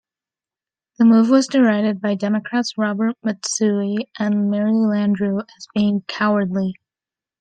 The move was derided by Democrats Robert Matsui and Mary Landrieu as being "cowardly".